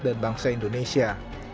dan bangsa indonesia